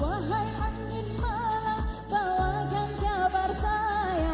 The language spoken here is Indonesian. wahai angin malam bawakan kabar saya